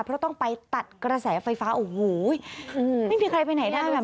เพราะต้องไปตัดกระแสไฟฟ้าโอ้โหไม่มีใครไปไหนได้เลย